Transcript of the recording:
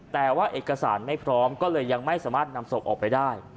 แต่ว่าเอกสารไม่พร้อมก็เลยยังไม่สามารถนำศพออกไปได้